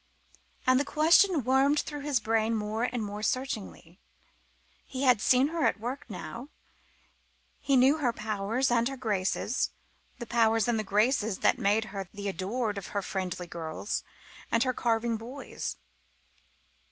And the question wormed through his brain more and more searchingly. He had seen her at work now; he knew her powers, and her graces the powers and the graces that made her the adored of her Friendly girls and her carving boys.